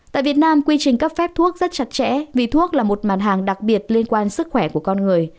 tại việt nam quy trình cấp phép thuốc rất chặt chẽ vì thuốc là một mặt hàng đặc biệt liên quan sức khỏe của con người